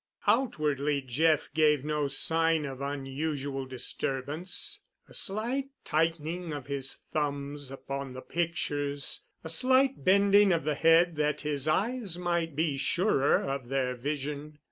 Outwardly Jeff gave no sign of unusual disturbance—a slight tightening of his thumbs upon the pictures, a slight bending of the head that his eyes might be surer of their vision.